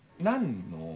何の？